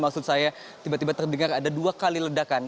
maksud saya tiba tiba terdengar ada dua kali ledakan